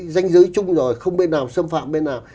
danh giới chung rồi không bên nào xâm phạm bên nào